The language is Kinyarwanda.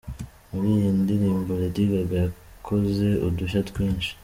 Muri iyi ndirimbo Lady Gaga yakoze udushya twinshi.